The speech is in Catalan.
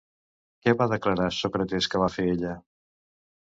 Què va declarar Sòcrates que va fer ella?